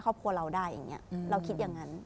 ครอบครัวเราได้อย่างนี้เราคิดอย่างนั้น